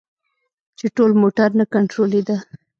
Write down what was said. چې ټول موټر نه کنترولیده.